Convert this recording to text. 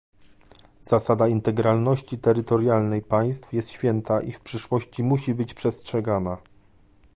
Zasada integralności terytorialnej państw jest święta i w przyszłości musi być przestrzegana